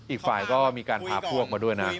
อีกฝ่ายก็มีการพาพวกมาด้วยนะ